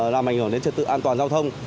làm ảnh hưởng đến trật tự an toàn giao thông